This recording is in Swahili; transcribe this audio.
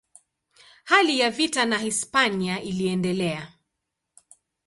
Hali ya vita na Hispania iliendelea.